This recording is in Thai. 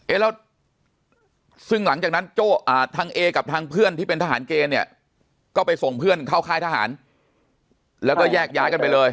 แล้วซึ่งหลังจากนั้นทางเอกับทางเพื่อนที่เป็นทหารเกณฑ์เนี่ยก็ไปส่งเพื่อนเข้าค่ายทหารแล้วก็แยกย้ายกันไปเลย